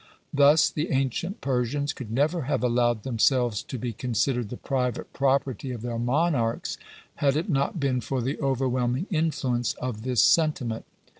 Thus, the ancient Persians could never have allowed themselves to be considered the private property of their monarchs, had it not been for the overwhelming influence of this sentiment.